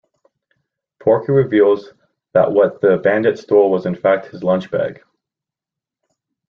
Porky reveals that what the bandit stole was in fact his lunch bag.